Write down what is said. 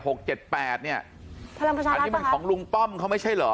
หกเจ็ดแปดเนี่ยพลังประชารัฐป่ะฮะอันนี้มันของลุงป้อมเขาไม่ใช่เหรอ